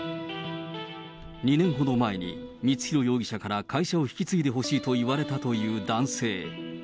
２年ほど前に、光弘容疑者から会社を引き継いでほしいと言われたという男性。